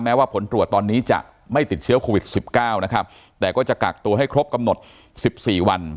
ว่าผลตรวจตอนนี้จะไม่ติดเชื้อโควิดสิบเก้านะครับแต่ก็จะกักตัวให้ครบกำหนดสิบสี่วัน